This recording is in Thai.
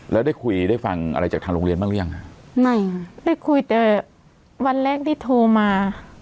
แล้วได้คุยได้ฟังอะไรจากทางโรงเรียนบ้างหรือยังฮะไม่ค่ะได้คุยแต่วันแรกที่โทรมา